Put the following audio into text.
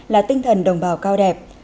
là tinh thần đồng bào cao đẹp